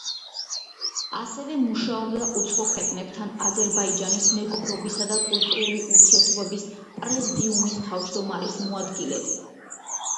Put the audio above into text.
ასევე მუშაობდა უცხო ქვეყნებთან აზერბაიჯანის მეგობრობისა და კულტურული ურთიერთობების პრეზდიუმის თავმჯდომარის მოადგილედ.